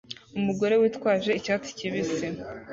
Umugore witwaje icyatsi kibisi